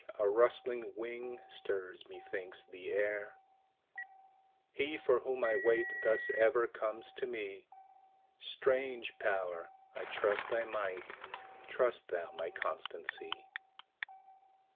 a rustling wing stirs, methinks, the air: He for whom I wait, thus ever comes to me; Strange Power! I trust thy might; trust thou my constancy.